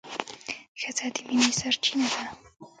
ښځه د مینې سرچینه ده.